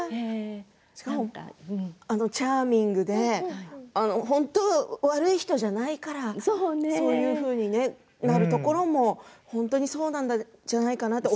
チャーミングで本当に悪い人じゃないからそういうふうなところも本当にそうなんじゃないかなと。